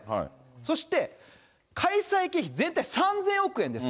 そして開催経費、全体で３０００億円です。